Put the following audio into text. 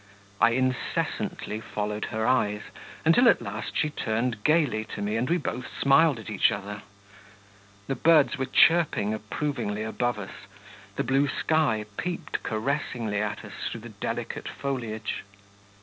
I incessantly followed her eyes, until at last she turned gaily to me and we both smiled at each other. The birds were chirping approvingly above us, the blue sky peeped caressingly at us through the delicate foliage.